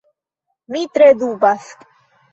Mi tre dubas.